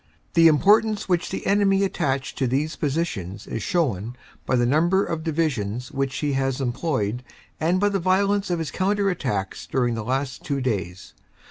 The importance which the enemy attached to these positions is shown by the number of Divisions which he has employed and by the violence of his counter attacks during the last two days.